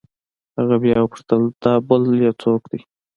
هغه بيا وپوښتل دا بل يې سوک دې.